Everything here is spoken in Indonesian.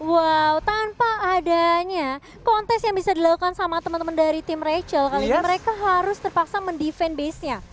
wow tanpa adanya kontes yang bisa dilakukan sama teman teman dari tim rachel kali ini mereka harus terpaksa mendefense base nya